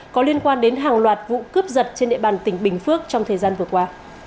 có liên quan đến hàng loạt vụ cướp giật trên địa bàn tỉnh bình phước trong thời gian vừa qua